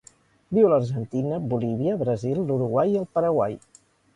Viu a l'Argentina, Bolívia, Brasil, l'Uruguai i el Paraguai.